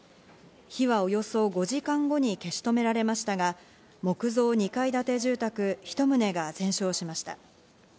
火はおよそ５時間後に消し止められましたが、木造２階建て住宅１棟が全焼しました。